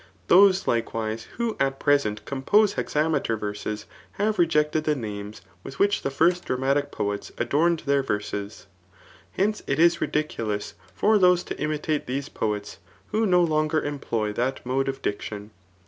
Those, likewise, who at present compose hexameter verses, have rejected the names with which the first [dramatic poets] adorned their verses. Hence, it is ridiculous for those to imitate these poets, who no longer employ that mode of diction.